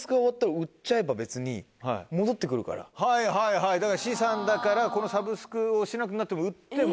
はいはい資産だからこのサブスクをしなくなっても売っても。